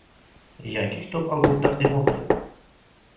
Yangi kitob-albom taqdimoti